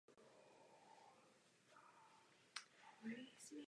Velmi si cení vzdělání.